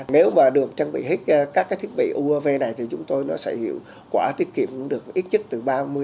nếu mà được trang bị hết các thiết bị uav này thì chúng tôi nó sẽ hiểu quả tiết kiệm được ít chất từ ba mươi bốn mươi